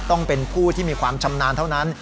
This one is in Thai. ต้องเป็นผู้ที่มีความชำนาญเท่านั้น